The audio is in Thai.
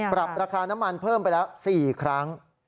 ปรับราคาน้ำมันเพิ่มไปแล้ว๔ครั้ง